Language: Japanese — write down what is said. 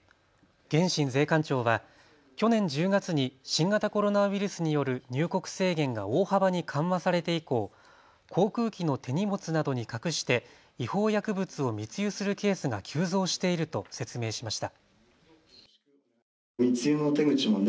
源新税関長は去年１０月に新型コロナウイルスによる入国制限が大幅に緩和されて以降、航空機の手荷物などに隠して違法薬物を密輸するケースが急増していると説明しました。